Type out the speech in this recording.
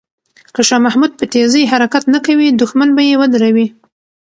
که شاه محمود په تېزۍ حرکت نه کوي، دښمن به یې ودروي.